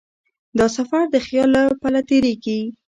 دا سفر د خیال له پله تېرېږي.